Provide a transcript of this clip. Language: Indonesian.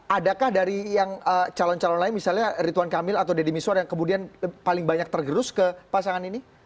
adakah dari yang calon calon lain misalnya rituan kamil atau deddy miswar yang kemudian paling banyak tergerus ke pasangan ini